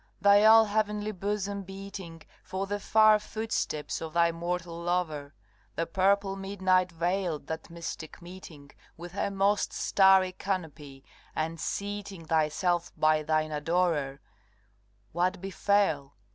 thy all heavenly bosom beating For the far footsteps of thy mortal lover; The purple Midnight veiled that mystic meeting With her most starry canopy, and seating Thyself by thine adorer, what befell?